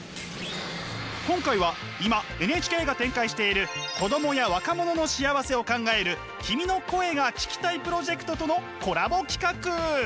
今回は今ＮＨＫが展開している子どもや若者の幸せを考える「君の声が聴きたい」プロジェクトとのコラボ企画！